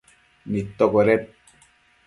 nidtocueded